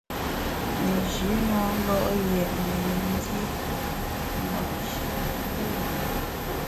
Nji na lo’ yètne yin dié wiyi’shi ne yùe lùm.